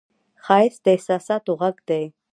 ښایست د احساساتو غږ دی